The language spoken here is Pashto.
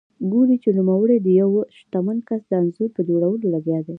ګوري چې نوموړی د یوه شتمن کس د انځور په جوړولو لګیا دی.